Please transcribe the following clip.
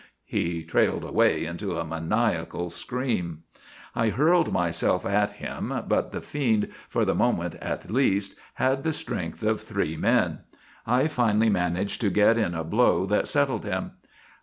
_" He trailed away into a maniacal scream. I hurled myself at him, but the fiend, for the moment at least, had the strength of three men. I finally managed to get in a blow that settled him.